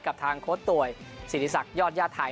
กับทางโค้ดต่วยศิริษักยอดญาติไทย